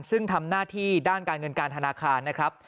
ซึ่งทำหน้าที่ด้านการเงินการธนาคารนะครับ